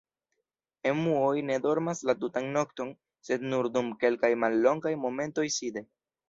Emuoj ne dormas la tutan nokton sed nur dum kelkaj mallongaj momentoj side.